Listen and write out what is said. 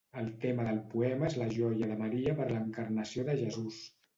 El tema del poema és la joia de Maria per l'encarnació de Jesús.